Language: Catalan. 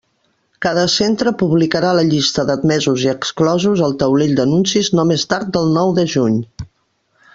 Cada centre publicarà la llista d'admesos i exclosos al taulell d'anuncis no més tard del nou de juny.